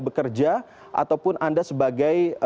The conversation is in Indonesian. bekerja ataupun anda sebagai